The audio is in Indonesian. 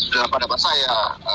dalam pandangan saya